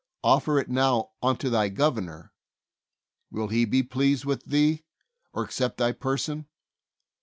Offer it now unto thy governor : will he be pleased with thee, or accept thy person?"